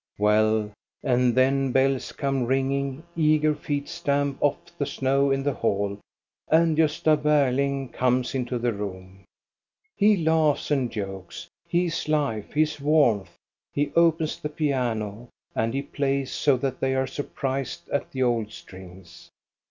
Well, and then bells come ringing, eager feet stamp off the snow in the hall, and Gbsta Berling comes into the room. He laughs and jokes. He is life, he is warmth. He opens the piano, and he plays so that they are surprised at the old strings.